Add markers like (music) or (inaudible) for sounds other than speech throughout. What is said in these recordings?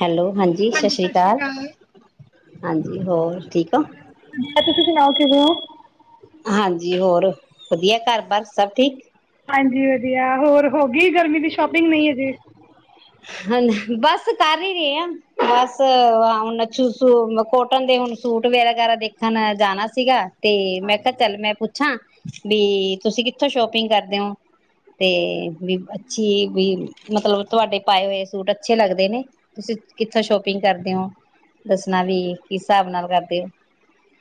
Hello ਹਾਂਜੀ ਸਤਿ ਸ਼੍ਰੀ ਅਕਾਲ ਹਾਂਜੀ ਹੋਰ ਠੀਕ ਹੋ? ਕਿ ਕੀ ਹੋਰ ਵਧੀਆ ਘਰ ਬਸ ਸਭ ਠੀਕ। ਹਾਂਜੀ ਵਧੀਆ ਹੋਰ ਹੋ ਗ ਗਰਮੀ ਦੀ ਸ਼ੋਪਿੰਗ ਨਹੀਂ ਹਜੇ। ਬਸ ਕਰ ਹੀ ਰਹੇ ਹ ਬਸ ਹੁਣੂੂ ਕੋਟਨ ਦੇ ਹੁਣ ਸੂਟ ਵਗੈਰਾ ਦੇਖਣ ਜਾਣਾ ਸੀਗਾ ਤੇ ਮੈਂ ਕਿਹਾ ਚੱਲ ਮੈਂ ਪੁੱਛਾਂ ਵੀ ਤੁਸੀਂ ਕਿੱਥੋਂ ਸ਼ੋਪਿੰਗ ਕਰਦੇ ਹੋ ਤੇ ਵੀ ਅੱਛੀ ਵੀ ਮਤਲਬ ਤੁਹਾਡੇ ਪਾਏ ਹੋਏ ਸੂਟ ਅੱਛੇ ਲੱਗਦੇ ਨੇ ਤੁਸੀਂ ਕਿੱਥੋਂ ਸ਼ੋਪਿੰਗ ਕਰਦੇ ਹੋ ਦੱਸਣਾ ਵੀ ਕਿਸ ਹਿਸਾਬ ਨਾਲ ਕਰਦੇ ਹੋ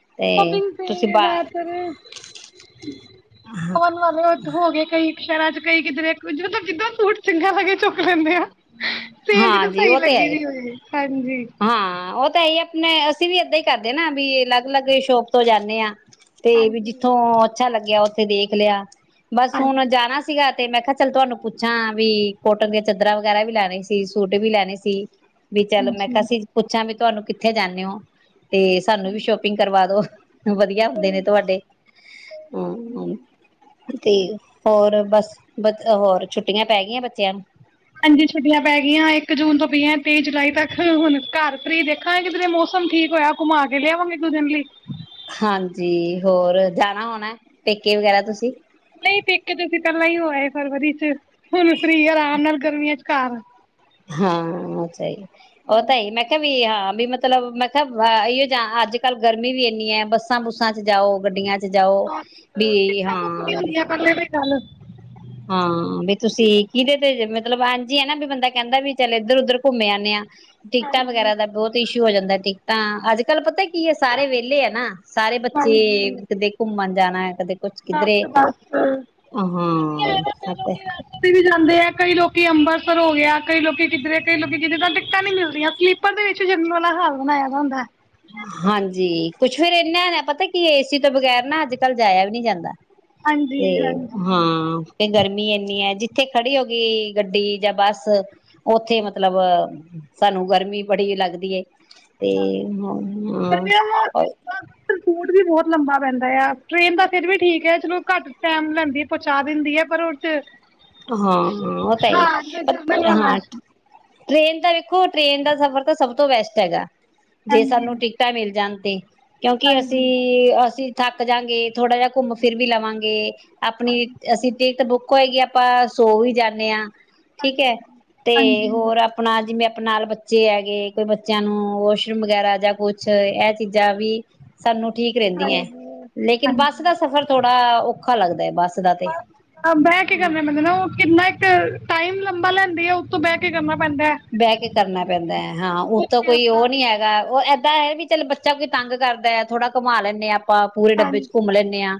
(unintelligible) ਹੋ ਤੇ ਤੁਸੀਂ ਬਾ ਗਏ ਕਈ ਸ਼ਰਾਂ ਚ ਕਈ ਕਿਧਰੇ ਤਾਂ ਕਿੱਦਾਂ ਸੂਟ ਚਗਾ ਲਗੇ ਚੁੱਕ ਲੈਂਦੇ ਆ ਸੇਲ ਹਾਂ ਜਦੋਂ ਜੀ ਸਹੀ ਉਹ ਤੇ ਹੈ ਲੱਗੀ ਏ ਦੀ ਹੋਏ ਹਾਂਜੀ ਹਾਂ ਉਹ ਤਾਂ ਇਹੀ ਆ ਆਪਣੇ ਅਸੀਂ ਵੀ ਏਦਾਂ ਹੀ ਕਰਦੇ ਨਾ ਵੀ ਅਲੱਗ ਅਲੱਗ ਸ਼ੋਪ ਤੋਂ ਜਾਂਦੇ ਹਾਂ ਤੇ ਵੀ ਹਾਂਜੀ ਜਿੱਥੋਂ ਅੱਛਾ ਲੱਗਿਆ ਉ ਦੇਖ ਲਿਆ ਬਸ ਹਾਂਜੀ ਹੁਣ ਜਾਣਾ ਸੀਗਾ ਤੇ ਮੈਂ ਕਿਹਾ ਚੱਲ ਤੁਹਾਨੂੰ ਪੁੱਛਾਂ ਵੀ ਕੋਟਨ ਦੀਆਂ ਚਾਦਰਾਂ ਵਗੈਰਾ ਵੀ ਲੈਣੇ ਸੀ ਸੂਟ ਵੀ ਲੈਣੇ ਸੀ ਵੀ ਚਲ ਮੈਂ ਹਾਂਜੀ ਅਸੀਂ ਪੁੱਛਾਂ ਬ ਤੁਹਾਨੂੰ ਕਿੱਥੇ ਜਾਦੇ ਹੋ ਤੇ ਸਾਨੂੰ ਵੀ ਸ਼ੋਪਿੰਗ ਕਰਵਾ ਦੋ ਵਧੀਆ ਹੁੰਦੇ ਨੇ ਤੁਹਾਡੇ ਹਮ ਤੇ ਹੋਰ ਬਸ ਬ ਹੋਰ ਛੁੱਟੀਆਂ ਪੈ ਗਈਆਂ ਬੱਚਿਆਂ ਨੂੰ ਹਾਂਜੀ ਛੁੱਟੀਆਂ ਪੈ ਗਈਆਂ ਇੱਕ ਜੂਨ ਤੋਂ ਪੀਆਂ ਤੇਈ ਜੁਲਾਈ ਤੱਕ ਹੁਣ ਘਰ ਫਰੀ ਦੇਖਾਂਗੇ ਕਿਧਰੇ ਮੌਸਮ ਠੀਕ ਹੋਇਆ ਘੁੰਮਾ ਕੇ ਲਿਆਵਾਂਗੇ (unintelligible) ਜੀ ਹੋਰ ਜਾਣਾ ਹੋਣਾ ਪੇਕੇ ਵਗੈਰਾ ਤੁਸੀਂ ਨਹੀਂ ਪੇਕੇ ਤਾਂ ਅਸੀ ਪਹਿਲਾ ਹੀ ਹੋ ਆਏ ਫਰਵਰੀ ਚ ਹੁਨ ਫ੍ਰੀ ਅਰਾਮ ਨਾਲ ਗਰਮੀਆਂ ਚ ਘਰ ਹਾਂ ਉਹ ਸਹੀ ਉਹ ਤਾਂ ਹਾਂਜੀ ਮੈਂ ਕਿਹਾ ਵੀ ਹਾਂ ਵੀ ਮਤਲਬ ਮੈਂ ਕਿਹਾ ਇਓ ਜਾ ਅੱਜ ਕੱਲ ਗਰਮੀ ਵੀ ਇੰਨੀ ਹੈ ਬੱਸਾਂ ਬੁੱਸਾਂ ਚ ਜਾਓ ਗੱਡੀਆਂ ਚ ਚ ਜਾਓ ਬਸ ਬੀ ਟਿਕਟਾਂ ਬੁੱਕ ਹਾਂ ਨੀ ਬੀ ਹੁੰਦੀਆਂ ਪਹਿਲੇ ਦੀ ਗੱਲ ਹਾਂ ਵੀ ਤੁਸੀਂ ਕਿਹਦੇ ਤੇ ਮਤਲਬ ਹਾਂਜੀ ਨਾ ਵੀ ਬੰਦਾ ਕਹਿੰਦਾ ਵੀ ਚੱਲ ਇੱਧਰ ਉਧਰ ਘੁੰਮ ਆਉਂਦੇ ਆਾਂ ਟਿਕਟਾਂ ਹਾਂਜੀ ਵਗੈਰਾ ਦਾ ਬਹੁਤ ਇਸ਼ੂ ਹੋ ਜਾਂਦਾ ਟਿੱਕਤਾਂ ਅੱਜ ਕੱਲ ਪਤਾ ਕੀ ਸਾਰੇ ਵਹਲੇ ਆ ਨਾ ਸਾਰੇ ਬੱਚੇ ਕਿਤੇ ਘੁੰਮਣ ਜਾਣਾ ਹੈ ਬੱਸ ਬੱਸ। ਆ ਹਾਂ ਸ ਤੇ ਕਿ ਅੰਬਰਸਰ ਹੋ ਗਿਆ ਕਈ ਲੋਕੀ ਕਿੱਧਰੇ ਕਈ ਲੋਕੀ ਕਿੱਧਰ ਤਾਂ ਟਿਕਟਾਂ ਨੀ ਮਿਲਦੀਆਂ ਸਲੀਪਰ ਦੇ ਵਿੱਚ ਜਰਨਲ ਵਾਲਾ ਹਾਲ ਬਣਾਇਆ ਦਾ ਹੁੰਦਾ ਹੈ। ਹਾਂਜੀ ਕੁੱਛ ਫੇਰ ਇਨਾ ਪਤਾ ਕੀ ਏਸੀ ਤੋਂ ਬਗੈਰ ਨਾ ਅੱਜ ਕੱਲ੍ਹ ਜਾਇਆ ਵੀ ਨਹੀਂ ਜਾਂਦਾ। ਹਾਂਜੀ ਤੇ ਹਾਂਜੀ ਹਾਂ ਤੇ ਗਰਮੀ ਇੰਨੀ ਹੈ ਜਿੱ ਜਿੱਥੇ ਖੜੀ ਹੋ ਗਈ ਗੱਡੀ ਜਾਂ ਬੱਸ ਉੱਥੇ ਮਤਲਬ ਸਾਨੂੰ ਗਰਮੀ ਬੜੀ ਲੱਗਦੀ ਏ। ਤੇ ਬਸ ਹਮ ਗਰਮੀਆਂ ਦਾ ਹਾਂ। ਬਸ ਰੂਟ ਵੀ ਬਹੁਤ ਲੰਬਾ ਪੈਂਦਾ ਆ ਟ੍ਰੇਨ ਦਾ ਫਿਰ ਵੀ ਠੀਕ ਹੈ ਚਲੋ ਘੱਟ ਟਾਈਮ ਲੈਂਦੀ ਪਹੁੰਚਾ ਦਿੰਦੀ ਹੈ ਪਰ ਉਹ ਚ ਹਾਂ ਹਾਂ ਉਹ ਤਾਂ ਹੀ ਹਾਂ ਜਨਰਲ ਵਾਲਾ ਹਾਂ ਟ੍ਰੇਨ ਦਾ ਵੇਖੋ ਟ੍ਰਰੇਨ ਦਾ ਸਫ਼ਰ ਤਾਂ ਸਭ ਤੋਂ ਬੈਸਟ ਹੈਗਾ। ਜੇ ਹਾਂਜੀ ਸਾਨੂੰ ਟਿਕਟਾਂ ਮਿਲ ਜਾਨ। ਤੇ ਕਿਉਂਕਿ ਅਸੀਂ ਹਾਂਜੀ ਅਸੀਂ ਥੱਕ ਜਾਗੇ ਥੋੜ੍ਹਾ ਜਹਾ ਘੁੰਮ ਫਿਰ ਵੀ ਲਵਾਂਗੇ। ਆਪਣੀ ਹਾਂਜੀ ਅਸੀਂ ਟਿਕਟ ਬੁੱ (inaudible) ਆਪਾਂ ਸੌ ਵੀ ਜਾਨੇ ਆ। ਠੀਕ ਹਾਂਜੀ, ਹੈ ਤੇ ਹਾਂਜੀ, ਹੋਰ ਆਪਣਾ ਜਿਵੇਂ ਪ ਨਾਲ ਬੱਚੇ ਹੈਗੇ ਕੋਈ ਬੱਚਿਆਂ ਨੂੰ ਵਾਸ਼ਰੂਮ ਵਗੈਰਾ ਜਾਂ ਕੁਛ ਇਹ ਚੀਜ਼ਾਂ ਵੀ ਸਾਨੂੰ ਠੀਕ ਰਹਿੰਦੀਆਂ ਹਾਂਜੀ, ਲੇਕਿਨ ਹਾਂਜੀ ਬੱਸ ਦਾ ਸਫ਼ਰ ਥੋੜਾ ਔਖਾ ਲੱਗਦਾ ਏ ਬਸ ਬਹਿ ਕੇ ਕਰਨਾ ਪੰਦੇ ਨਾ ਉਹ ਕਿੰਨਾ ਇੱਕ ਟਾਈਮ ਲੰਬਾ ਲੈਂਦੀ ਆ ਉਤੋਂ ਬਹਿ ਕੇ ਕਰਨਾ- ਪੈਂਦਾ ਹੈ। ਬਹਿ ਕੇ ਕਰਨਾ ਪੈਂਦਾ ਹੈ ਹਾਂ ਉੱਤੋਂ ਉੱਥੇ ਕੋਈ ਆਪਾਂ ਉਹ ਨੀ ਹੈਗਾ ਉਹ ਏਹ ਇੱਦਾਂ ਹੈ ਵੀ ਚੱਲ ਬੱਚਾ ਕੋਈ ਤੰਗ ਕਰਦਾ ਥੋੜਾ ਘੁੰਮਾ ਲੈਨੇ ਆ ਆਪਾਂ ਪੂਰੇ ਡੱਬੇ ਚ ਹਾਂਜੀ, ਘੁੰਮ ਲੈਂਦੇ ਹਾਂ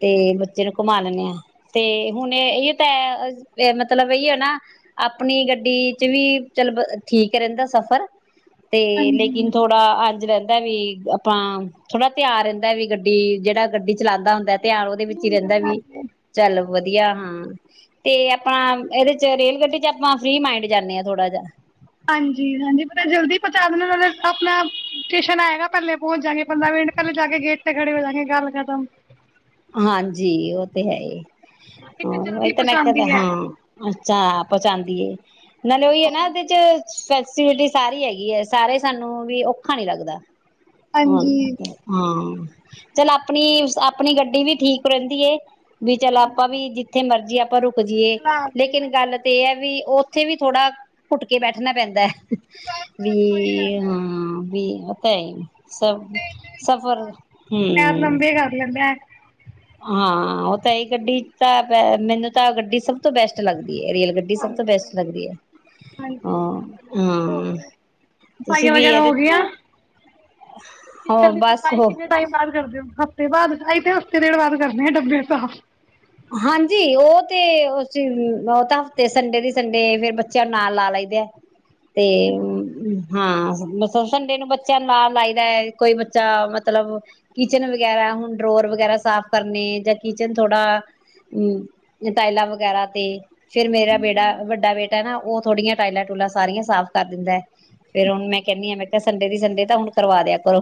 ਤੇ ਬੱਚੇ ਨੂੰ ਘੁੰਮਾ ਲੈਨੇ ਹਾਂ ਤੇ ਹੁਣ ਇਹ ਤਾਂ ਮਤਲਬ ਇਹੀ ਹੈ ਨਾ ਆਪਣੀ ਗੱਡੀ ਚ ਵੀ ਚੱਲ ਠੀਕ ਰਹਿੰਦਾ ਸਫ਼ਰ ਤੇ ਹਾਂਜੀ ਲੇਕਿਨ ਥੋੜਾ ਅੰਜ ਰਹਿੰਦਾ ਵੀ ਆਪਾਂ ਥੋੜਾ ਤਿਆਰ ਰਹਿੰਦਾ ਵੀ ਗੱਡੀ ਜਿਹੜਾ ਗੱਡੀ ਚਲਾਉਂਦਾ ਹੁੰਦਾ ਧਿਆਨ ਉਹਦੇ ਵਿੱਚ ਹੀ ਨੀਂਦ ਨਾ ਰਹਿੰਦਾ ਵੀ ਆਜੇ। ਚੱਲ ਵਧੀਆ ਹਾਂ ਤੇ ਆਪਾਂ ਇਹਦੇ ਚ ਰੇਲ ਗੱਡੀ ਚ ਆਪਾਂ ਫ੍ਰੀ ਮਾਈੰਡ ਜਾਨੇ ਆ ਥੋੜਾ ਜਿਹਾ। ਹਾਂਜੀ ਹਾਂਜੀ ਪਤਾ ਜਲਦੀ ਪਹੁੰਚਾ ਦਿੰਦੇ ਨਾਲੇ ਆਪਣਾ ਟੇਸ਼ਨ ਆਏਗਾ, ਪਹਿਲੇ ਪਹੁੰਚ ਜਾਗੇ ਪੰਦਰਾਂ ਮਿੰਟ ਪਹਿਲਾਂ ਜਾ ਕੇ ਗੇਟ ਤੇ ਖੜੇ ਹੋ ਜਾਗੇ ਗੱਲ ਖਤਮ। ਹਾਂਜੀ ਉਹ ਤੇ ਹੈ ਹੀ। ਇੱਕ ਹ ਜਲਦੀ ਤਾਂ ਮੈਂ ਕ ਪਹੁੰਚਾਉਂਦੀ ਹੈ। ਹਾਂ ਅੱਛਾ ਪਹੁੰਚਾਦੀ ਏ। ਨਾਲੇ ਉਹੀ ਏ ਨਾ ਇਹਦੇ ਚ ਹਾਂਜੀ, ਸ ਸੀਡੀ ਸਾਰੀ ਹੈਗੀ ਹੈ ਸਾਰੇ ਸਾਨੂੰ ਵੀ ਔਖਾ ਨੀ ਲੱਗਦਾ। ਹਾਂ, ਉਹ ਹਾਂਜੀ ਤੇ ਹਾਂ। ਚੱਲ ਆਪਣੀ, ਉਸ ਆਪਣੀ ਗੱਡੀ ਡੀ ਵੀ ਠੀਕ ਰਹਿੰਦੀ ਏ ਬਈ ਚੱਲ ਆਪਾਂ ਵੀ ਜਿੱ ਜਿੱਥੇ ਮਰਜ਼ੀ ਆਪਾਂ ਰੁ ਰੁੱਕ ਜੀਏ ਖਿਲਾਰ ਲਈ। ਲੇਕਿਨ ਗੱਲ ਤੇ ਇਹ ਹੈ ਵੀ ਉਹ ਉੱਥੇ ਵੀ ਥੋੜਾ, ਘੁੱਟ ਕੇ ਬੈਠਣਾ ਪੈਂਦਾ ਹੈ। ਬਸ ਬਸ ਉਹੀ ਵੀਹ ਗੱਲ ਹੈ ਹਾਂ ਵੀ ਉਹ ਤੇ ਹੈ ਈ। ਸਭ, ਸਫ਼ਰ, ਪੈਰ ਹਮ ਲੰਬੇ ਕਰ ਲੈਂਦਾ ਹੈ। ਹਾਂ, ਉਹ ਤੇ ਹੈ ਈ, ਗੱਡੀ ਤਾਂ ਮੈਨੂੰ ਤਾਂ ਗੱਡੀ ਸਭ ਤੋਂ ਬੈਸਟ ਲੱਗਦੀ ਰੇਲ ਗੱਡੀ ਸਭ ਤੋਂ ਹਾਂਜੀ, ਬੈਸਟ ਲੱਗਦੀ ਏ, ਹਾਂਜੀ ਹਾਂ, ਹੋਰ ਹਮ, ਤੁਸੀਂ ਸਫਾਈਆਂ ਵੀ ਵਗੈਰਾ ਇਹਦੇ ਹੋ ਤੇ ਗਈਆਂ? ਕਿਚਨ ਦੀ ਸਫਾਈ ਕਿੰਨੇ ਟਾਈਮ ਬਾਅਦ ਕਰਦੇ ਹੋ? ਹਫ ਹਫਤੇ ਬਾਅਦ, ਅਸੀ ਤੇ ਹਫਤੇ ਡੇਢ ਬਾਅਦ ਕਰਦੇ ਆ ਡੱਬੇ ਸਾਫ। ਹਾਂਜੀ ਉਹ ਤੇ ਉਹ ਤਾਂ ਹਫ਼ਤੇ ਸੰਡੇ ਦੇ ਸੰਡੇ ਫਿਰ ਬੱਚਿਆਂ ਨੂੰ ਨਾਲ ਲਾ ਲਈਦੇ ਹੈ ਤੇ ਹਾਂ ਸੰਡੇ ਨੂੰ ਬੱਚਿਆਂ ਨੂੰ ਨਾਲ ਲਾਈ ਦਾ ਹੈ ਕੋਈ ਬੱਚਾ ਮਤਲਬ ਕਿਚਨ ਵਗੈਰਾ, ਹੁਣ ਡਰੋਰ ਵਗੈਰਾ, ਸਾਫ਼ ਕਰਨੇ ਜਾਂ ਕਿਚਨ ਥੋੜਾ ਹਮ ਟਾਇਲਾਂ ਵਗੈਰਾ, ਤੇ ਫਿਰ ਮੇਰਾ ਬੜਾ ਵੱਡਾ ਬੇਟਾ ਨਾ ਉਹ ਥੋੜੀਆਂ ਟਾਇਲਾਂ ਟੂਲਾਂ ਸਾਰੀਆਂ ਸਾਫ਼ ਕਰ ਦਿੰਦਾ ਫੇਰ ਹੁਣ ਮੈਂ ਕਹਿੰਦੀ ਆਂ ਮੈਂ ਕਿਹਾ ਸੰਡੇ ਦੀ ਸੰਡੇ ਤਾਂ ਹੁਣ ਕਰਵਾ ਦਿਆ ਕਰੋ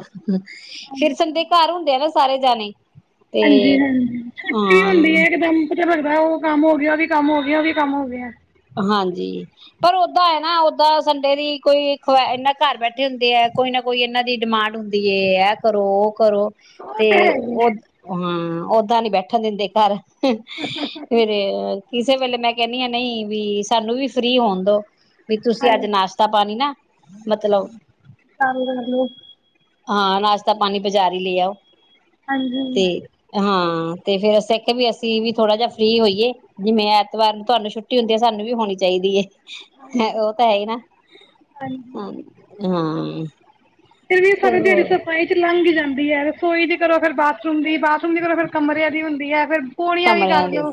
ਫਿਰ ਸੰਡੇ ਘਰ ਹੁੰਦੇ ਆ ਨਾ ਸਾਰੇ ਜਾਣੇ ਤੇ ਹਾਂਜੀ ਹਾਂਜੀ ਛੁੱਟੀ ਹੁੰਦੀ ਹਾਂ ਹੈ ਇਕਦਮ। ਫਿਰ ਲੱਗਦਾ ਉਹ ਕੰਮ ਹੋ ਗਿਆ, ਉਹ ਵੀ ਕੰਮ ਹੋ ਗਿਆ, ਉਹ ਵੀ ਕੰਮ ਹੋ ਗਿਆ। ਹਾਂਜੀ ਪਰ ਓਦਾਂ ਹੈ ਨਾ ਓਦਾਂ ਸੰਡੇ ਦੀ ਕੋਈ ਖ ਇਹਨਾਂ ਘਰ ਬੈਠੇ ਹੁੰਦੇ ਹੈ ਕੋਈ ਨਾ ਕੋਈ ਇਹਨਾਂ ਦੀ ਡਿਮਾਂਡ ਹੁੰਦੀ ਹੈ ਇਹ ਕਰੋ ਉਹ ਕਰੋ। ਉਹ ਤੇ ਹੈ ਹੀ ਹੈ, ਉਹ ਹਾਂ ਓਦਾਂ ਨੀ ਬੈਠਣ ਦਿੰਦੇ ਘਰ ਫਿਰ ਕਿਸੇ ਵੇਲੇ ਮੈਂ ਕਿਹਨੀ ਹਾਂ ਨਹੀਂ ਵੀ ਸਾਨੂੰ ਵੀ ਫ੍ਰੀ ਹੋਣ ਦੋ। ਵੀ ਤੁਸੀਂ ਅੱਜ ਹਾਂਜੀ ਨਾਸ਼ਤਾ ਪਾਣੀ ਨਾ ਮਤਲਬ ਚ ਹਾਂ ਨਾਸ਼ਤਾ ਪਾਣੀ ਬਜ਼ਾਰੀ ਹੀ ਲ ਆ ਉਹ ਤੇ ਹਾਂਜੀ, ਹਾਂ ਤੇ ਫੇਰ ਅਸੀਂ ਆਖਿਆ ਵੀ ਅਸੀਂ ਵੀ ਥੋੜਾ ਜਿਹਾ ਫਰੀ ਹੋਈਏ ਜਿਵੇੈਂ ਐਤਵਾਰ ਨੂੰ ਤੁਹਾਨੂੰ ਛੁੱਟੀ ਟੀ ਹੁੰਦੀ ਹੈ ਸਾਨੂੰ ਵੀ ਹੋਣੀ ਚਾਹੀਦੀ ਹੈ ਉਹ ਤਾਂ ਹੈ ਹੀ ਨਾ ਹਾਂਜੀ। ਹਾਂ ਫਿਰਰ ਵੀ ਸਾਰੇ ਦਿਹਾੜੀ ਚਲੋ ਸਾਈ ਚ ਲੰਘ ਜਾਂਦੇ ਹੈ ਰਸੋਈ ਦੀ ਕਰੋ ਫਿਰ ਬਾਥਰੂਮ ਦੀ ਬਾਥਰੂਮ ਦੀ ਕੋਲੋਂ ਫਿਰ ਕਮਰਿਆਂ ਦੀ ਹੁੰਦੀ ਹੈ ਫੇਿਰ ਪੋਣੀਆਂ ਵੀ ਕਮਰਿਆਂ ਕਰ ਦੇ ਲੋ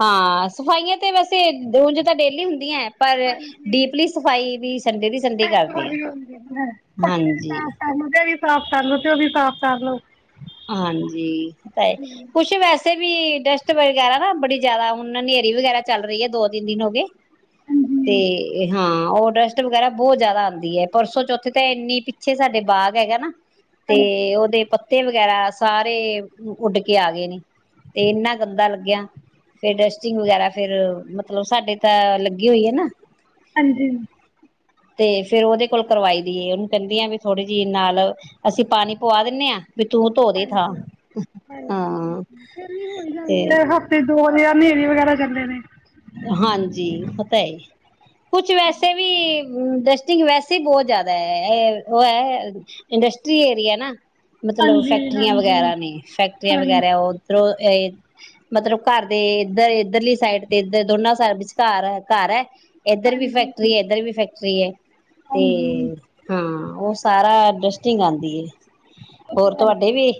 ਹਾਂ ਸਫਾਈਆਂ ਤੇ ਵੈਸੇ ਉਂਜ ਤਾਂ ਡੇਲੀ ਹੁੰਦੀਆਂ ਹੈ ਪਰ ਹਾਂਜੀ ਡੀਪਲੀ ਸਫ਼ਾਈ ਵੀ ਸੰਡੇ ਦੀ ਸੰਡੇ ਕਰਦੇ ਐਤਵਾਰ ਹਾਂ, ਵੀ ਹੁੰਦੀ ਹੈ ਪੱਖੇ ਵੀ ਹਾਂਜੀ ਸਾਫ਼ ਕਰ ਲੋ ਤੇ ਵੀ ਸਾਫ਼ ਕਰ ਲਵੋ ਤੇ ਉਹ ਵੀ ਸਾਫ਼ ਕਰ ਲੋ ਹਾਂਜੀ ਓ ਤਾਂ ਹੈ ਕੁਛ ਵੈਸੇ ਫਿਰ ਵੀ ਡਸਟ ਵਗ਼ੈਰਾ ਨਾ ਬੜੀ ਜਿਆਦਾ ਹੁਣ ਹਨੇਰੀ ਵਗੈਰਾ ਚੱਲ ਰਹੀ ਹੈ ਦੋ ਤਿੰਨ ਦਿਨ ਹੋ ਗਏ ਹਾਂਜੀ ਤੇ ਹਾਂ ਉਹ ਡਸਟ ਵਗੈਰਾ ਬਹੁਤ ਜ਼ਿਆਦਾ ਆਉਂਦੀ ਹੈ ਪਰਸੋਂ ਚੌਥੇ ਤਾਂ ਇੰਨੀ ਪਿੱਛੇ ਸਾਡੇ ਬਾਗ ਹੈਗਾ ਨਾ ਤੇ ਉਹਦੇ ਪ ਪੱਤੇ ਵਗ਼ੈਰਾ ਸਾਰੇ ਉੱਡ ਕੇ ਆ ਗਏ ਨੇ ਤੇ ਇਨਾ ਗੰਦਾ ਲੱਗਿਆ ਫਿਰ ਡਸਟਿੰਗ ਵਗੈਰਾ ਫਿਰ ਮਤਲਬ ਸਾਡੇ ਤਾਂ ਲੱਗੀ ਹੋਈ ਆ ਨਾ ਹਾਂਜੀ ਤੇ ਫੇਰ ਉਹਦੇ ਕੋਲ ਕਰਵਾਈ ਦੀ ਏ ਉਹਨੂੰ ਕਹਿੰਦੀ ਆ ਵੀ ਥੋੜ੍ਹੀ ਜਿਹੀ ਨਾਲ ਅਸੀਂ ਪਾਣੀ ਪਵਾ ਦੇਨੇ ਹਾਂ ਵੀ ਤੂੰ ਧੋ ਦੇ ਥਾਂ ਹਾਂਜੀ ਹਾਂ ਹਾਂਜੀ ਫਿਰ ਵੀ ਹੋ ਹੀ ਤੇ ਜਾਂਦੀ ਹੈ ਹਫਤੇ ਦੋ ਦੇ ਹਨੇਰੀ ਵਗੈਰਾ ਚੱਲੇ ਨੇ ਹਾਂਜੀ ਉਹ ਤਾਂ ਹੈ ਹੀ ਕੁਛ ਵੈਸੇ ਵੀ ਡਸਟਿੰਗ ਵੈਸੇ ਬਹੁਤ ਜ਼ਿਆਦਾ ਹੈ ਉਹ ਹੈ ਇੰਡਸਟਰੀ ਏਰੀਆ ਨਾ ਮਤਲਬ ਹਾਂਜੀ ਫੈਕਟਰੀਆਂ ਹਾਂਜੀ ਵਗੈਰਾ ਨੇ ਫੈਕਟਰੀਆਂ ਹਾਂ ਵਗੈਰਾ ਉੱਧਰੋਂ ਅ ਮਤਲਬ ਘਰ ਦੇ ਇੱਧਰ ਇੱਧਰਲੀ ਸਾਈਡ ਤੇ ਇੱਧਰ ਦੋਨਾਂ ਵਿਚਕਾਰ ਘਰ ਹੈ ਏਧਹ ਵੀ ਹਾਂਜੀ ਫੈਕਟਰੀ ਏਧਰ ਵੀ ਫੈਕਟਰੀ ਸਹੀ ਏ ਤੇ ਹਾਂਜੀ ਹਾਂ ਉਹ ਸਾਰਾ ਡਸਟਿੰਗ ਆਂਦੀ ਏ ਹੋਰ ਤੁਹਾਡੇ ਵੀ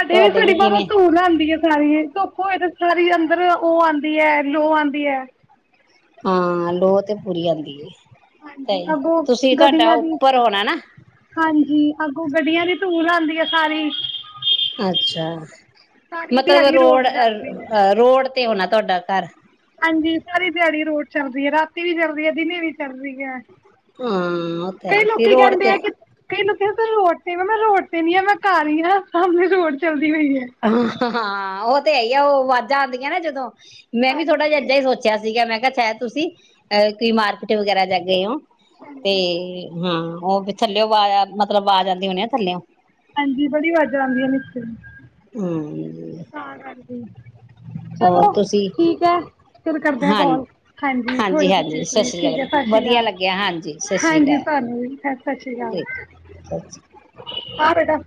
ਸਾਡੇ ਵੀ ਸਾਡੀ ਬਾਹਰੋਂ ਕਿਵੇਂ ਧੂਲ ਆਉਂਦੀ ਹੈ ਸਾਰੀ ਧੁੱਪ ਹੋਏ ਤੇ ਸਾਰੀ ਅੰਦਰ ਉਹ ਆਉਂਦੀ ਹੈ ਲੋ ਆਉਂਦੀ ਹੈ ਹਾਂ ਲੋਅ ਤੇ ਪੂਰੀ ਆਉਂਦੀ ਹੈ ਹਾਂਜੀ ਸਹੀ ਅੱਗੋਂ ਤੁਸੀਂ ਤੁਹਾਡਾ ਗੱਡੀਆਂ ਦੀ ਉੱਪਰ ਹੋਣਾ ਨਾ ਹਾਂਜੀ ਅੱਗੋਂ ਗੱਡੀਆਂ ਦੀ ਧੂੜ ਆਂਦੀ ਸਾਰੇ ਈ ਅੱਛਾ ਮਤਲਬ ਦਿਹਾੜੀ ਰੋਡ ਜਾਂਦੀ ਹੈ ਅ ਰੋਡ ਤੇ ਹੋਣਾ ਤੁਹਾਡਾ ਘਰ ਹਾਂਜੀ ਸਾਰੀ ਦਿਹਾੜੀ ਰੋਡ ਚੱਲਦੀ ਹੈ ਰਾਤੀ ਵੀ ਚੱਲਦੀ ਹੈ ਦਿਨੇ ਵੀ ਚੱਲਦੀ ਹੈ ਹਾਂ ਉਹ ਤਾਂ ਕਈ ਹੈ ਫਿਰ ਲੋਕੀ ਰੋਡ ਕਹਿੰਦੇ ਤੇ ਆ ਕਿ ਕਈ ਲੋਕ ਕਹਿੰਦੇ ਰੋਡ ਨੀ ਮੈਂ ਰੋਡ ਤੇ ਨੀ ਆ ਮੈਂ ਘਰ ਹੀ ਹਾਂ ਸਾਮਨੇ ਰੋਡ ਚੱਲਦੀ ਹੋਈ ਹੈ ਹਾਂ ਹਾਂ ਉਹ ਤੇ ਹੈ ਈ ਆ ਉਹ ਆਵਾਜ਼ਾਂ ਆਉਂਦੀਆਂ ਨਾ ਜਦੋਂ ਮੈਂ ਵੀ ਥੋੜਾ ਜਿਹਾ ਹਾਂਜੀ ਏਦਾਂ ਹੀ ਸੋਚਿਆ ਸੀਗਾ ਮੈਂ ਕਿ ਮੈ ਕਿਹਾ ਸ਼ਾਇਦ ਤੁਸੀਂ ਅ ਕੋਈ ਮਾਰਕੀਟ ਵਗੈਰਾ ਜਾ ਕੇ ਆਏ ਹੋ। ਤੇ ਹਾਂਜੀ ਹਾਂ ਉਹ ਥੱਲਿਓ ਆਵਾ ਮਤਲਬ ਆਵਾਜ਼ ਆਉਂਦੀ ਹੋਣੀ ਆ ਥੱਲਿਓ ਹਾਂਜੀ ਬੜੀ ਆਵਾਜ਼ਾਂ ਆਉਂਦੀਆਂ ਨੀਚੇ ਨੂੰ ਹ-ਮ (inaudible) ਹੋਰ ਚਲੋ ਤੁਸੀਂ ਠੀਕ ਹੈ ਫਿਰ ਕਰਦੇ ਆ ਹਾਂ ਕਾਲ ਹਾਂਜੀ ਹੋ ਜੋ ਤੁਸੀਂ ਹਾਂਜੀ ਸਤਿ ਫ੍ਰੀ ਤੁਸੀਂ ਸ੍ਰੀ ਠੀਕ ਹੈ ਅਕਾਲ ਸਤਿ ਸ਼੍ਰੀ ਵਧੀਆ ਅਕਾਲ ਲੱਗਿਆ ਹਾਂਜੀ ਸਤਿ ਸ੍ਰੀ ਹਾਂਜੀ ਅਕਾਲ ਸਾਨੂੰ ਵੀ ਸ ਸਤਿ ਸ਼੍ਰੀ ਅਕਾਲ। ਠੀਕ ਸਤਿ ਸ਼੍ਰੀ ਹਾਂ ਬੇਟਾ।